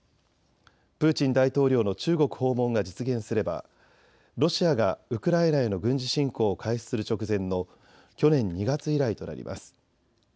プーチン大統領の中国訪問が実現すればロシアがウクライナへの軍事侵攻を開始する直前の去年２月以来となります。